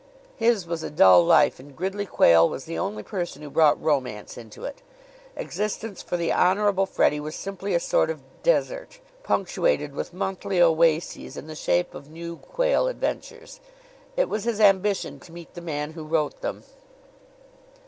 His was a dull life and Gridley Quayle was the only person who brought romance into it. Existence for the Honorable Freddie was simply a sort of desert, punctuated with monthly oases in the shape of new Quayle adventures. It was his ambition to meet the man who wrote them.